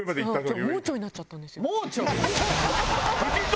盲腸になっちゃったんですよ。